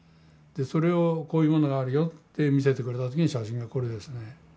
それをこういうものがあるよって見せてくれた時の写真がこれですね。